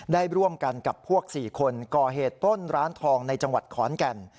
ได้ร่วมกันกับพวก๔คนก่อเหตุปล้นร้านทองในจังหวัดขอนแก่น